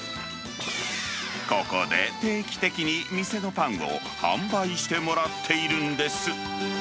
ここで定期的に店のパンを販売してもらっているんです。